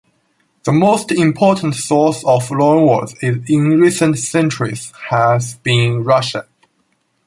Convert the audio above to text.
The most important source of loanwords in recent centuries has been Russian.